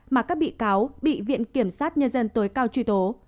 mà các bị cáo bị viện kiểm sát nhân dân tối cao truy tố